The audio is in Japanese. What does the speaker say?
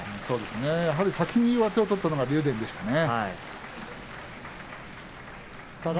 やはり先に上手を取ったのが竜電でしたね。